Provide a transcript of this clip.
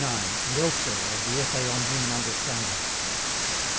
39, and elsewhere of the Essay on Human Understanding.